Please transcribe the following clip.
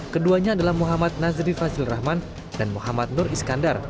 keduanya adalah muhammad nazri fasil rahman dan muhammad nur iskandar